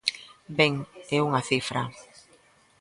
Ben, é unha cifra.